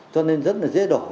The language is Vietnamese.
cho nên rất là dễ đổ